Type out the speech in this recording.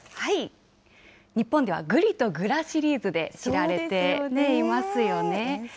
日本ではぐりとぐらシリーズで知られていますよね。